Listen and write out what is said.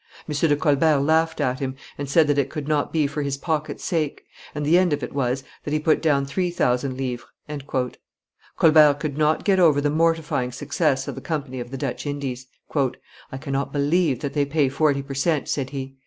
"M. de Colbert laughed at him, and said that it could not be for his pocket's sake; and the end of it was, that he put down three thousand livres." Colbert could not get over the mortifying success of the company of the Dutch Indies. "I cannot believe that they pay forty per cent.," said he.